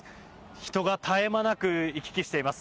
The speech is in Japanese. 人が絶え間なく行き来しています。